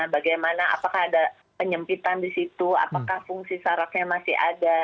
bagaimana apakah ada penyempitan di situ apakah fungsi sarafnya masih ada